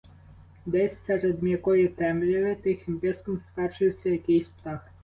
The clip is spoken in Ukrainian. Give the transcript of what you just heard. Десь серед м'якої темряви тихим писком скаржився якийсь птах.